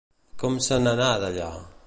Com se n'anà d'allà?